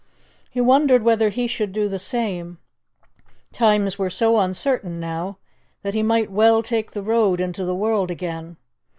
He wondered whether he should do the same; times were so uncertain now that he might well take the road into the world again.